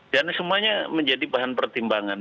dan semuanya menjadi bahan pertimbangan